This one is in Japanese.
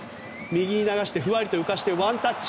右に流してふわりと浮かせてワンタッチ。